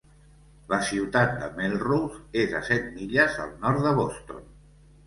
La ciutat de Melrose és a set milles al nord de Boston.